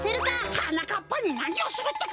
はなかっぱになにをするってか？